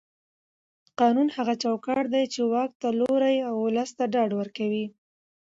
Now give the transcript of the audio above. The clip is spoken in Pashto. قانون هغه چوکاټ دی چې واک ته لوری او ولس ته ډاډ ورکوي